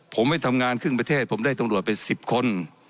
ผมไม่ทำงานครึ่งประเทศผมได้ตำรวจไป๑๐คน